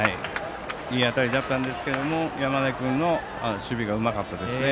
いい当たりだったんですが山根君の守備がうまかったですね。